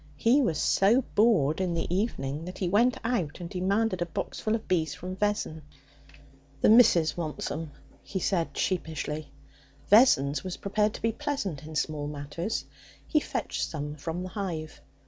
He was so bored in the evening that he went out and demanded a boxful of bees from Vessons. 'The missus wants 'em,' he said sheepishly. Vessons was prepared to be pleasant in small matters. He fetched some from the hive.